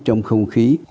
trong không khí